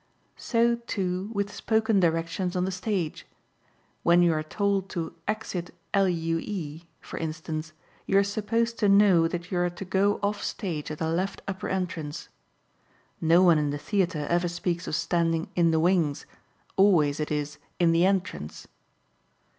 So, too, with spoken directions on the stage. When you are told to "exit LUE," for instance, you are supposed to know that you are to go off stage at the left upper entrance. No one in the theatre ever speaks of standing "in the wings"; always it is "in the entrance."